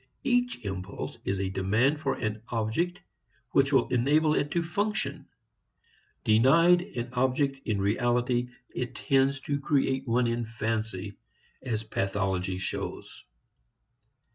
Each impulse is a demand for an object which will enable it to function. Denied an object in reality it tends to create one in fancy, as pathology shows.